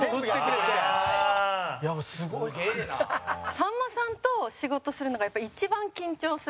さんまさんと仕事するのがやっぱ、一番緊張する